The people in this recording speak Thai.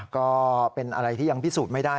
ก็เป็นอะไรที่ยังพิสูจน์ไม่ได้